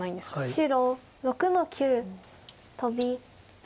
白６の九トビ。